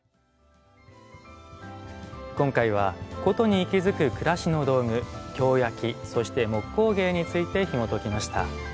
今回は「古都に息づく暮らしの道具」京焼そして木工芸についてひもときました。